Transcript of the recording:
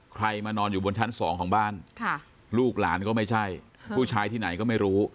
มานอนอยู่บนชั้น๒ของบ้านลูกหลานก็ไม่ใช่ผู้ชายที่ไหนก็ไม่รู้